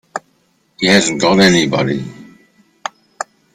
He hasn't got anybody.